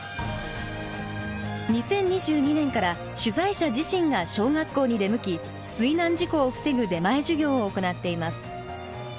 ２０２２年から取材者自身が小学校に出向き水難事故を防ぐ出前授業を行っています。